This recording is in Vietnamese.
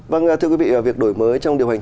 vâng thưa quý vị việc đổi mới trong điều hành